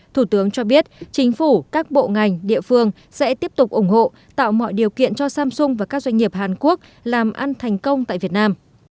thủ tướng cho biết chính phủ các bộ ngành địa phương sẽ tiếp tục ủng hộ tạo mọi điều kiện cho samsung và các doanh nghiệp hàn quốc làm ăn thành công tại việt nam